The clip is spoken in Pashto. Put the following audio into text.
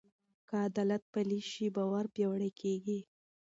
که عدالت پلی شي، باور پیاوړی کېږي.